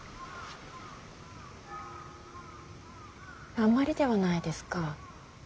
あんまりではないですか。